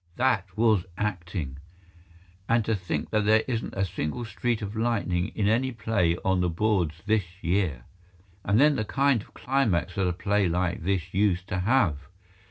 That was acting! And to think that there isn't a single streak of lightning in any play on the boards this year! And then the kind of climax that a play like this used to have!